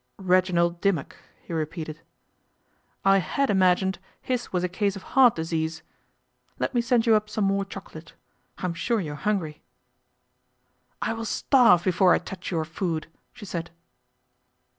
'Reginald Dimmock,' he repeated. 'I had imagined his was a case of heart disease. Let me send you up some more chocolate. I'm sure you're hungry.' 'I will starve before I touch your food,' she said.